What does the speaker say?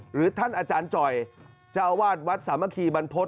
หรือท่านอาจารย์จ่อยเจ้าอาวาสวัดสามัคคีบรรพฤษ